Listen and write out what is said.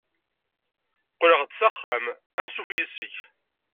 Qqleɣ-d s axxam. Ansuf yes-k.